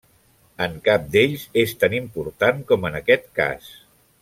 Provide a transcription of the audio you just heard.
En cap d'ells és tan important com en aquest cas.